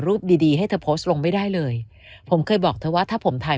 ดีดีให้เธอโพสต์ลงไม่ได้เลยผมเคยบอกเธอว่าถ้าผมถ่าย